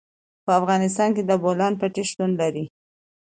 په افغانستان کې د بولان پټي شتون لري.